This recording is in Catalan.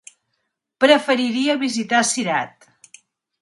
Preferiria visitar Cirat.